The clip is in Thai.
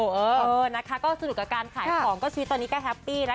สนุกกับการขายของก็ชีวิตตอนนี้ก็แฮปปี้